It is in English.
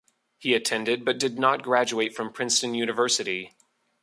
He attended but did not graduate from Princeton University.